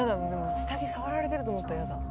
下着触られてると思ったら嫌だ。